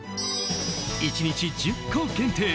１日１０個限定